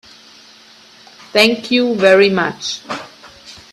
Thank you very much.